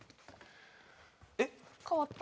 えっ？変わった。